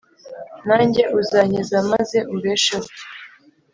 nanjye uzankiza maze umbesheho.